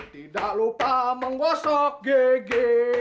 tidak lupa menggosok gege